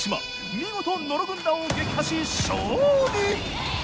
見事野呂軍団を撃破し勝利！